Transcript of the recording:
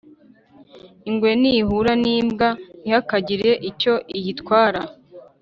ingwe nihura n’imbwa ntikagire icyo iyitwara.